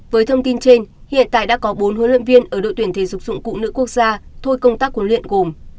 với thông tin trên hiện tại đã có bốn huấn luyện viên ở đội tuyển thể dục dụng cụ nữ quốc gia thôi công tác huấn luyện gồm